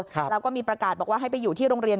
แล้วก็มีประกาศบอกว่าให้ไปอยู่ที่โรงเรียน